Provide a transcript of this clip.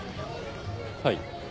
はい？